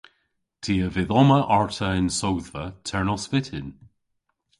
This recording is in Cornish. Ty a vydh omma arta y'n sodhva ternos vyttin.